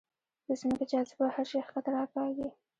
د ځمکې جاذبه هر شی ښکته راکاږي.